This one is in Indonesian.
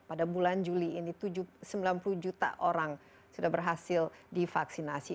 pada bulan juli ini sembilan puluh juta orang sudah berhasil divaksinasi